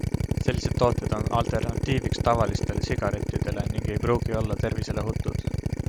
Sellised tooted on alternatiiviks tavalistele sigarettidele ning ei pruugi olla tervisele ohutud.